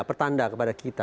pertanda kepada kita